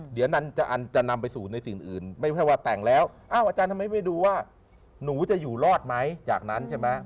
เดี๋ยวอันจะนำไปสู่ในสิ่งอื่นไม่ใช่ว่าแต่งแล้วอ้าวอาจารย์ทำไมไม่ดูว่าหนูจะอยู่รอดไหมจากนั้นใช่ไหม